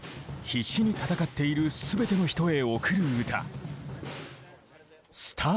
必死に戦っている全ての人へ贈る歌。